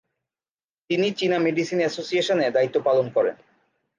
তিনি চীনা medicine association এ দায়িত্ব পালন করেন।